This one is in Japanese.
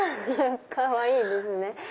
かわいいですね。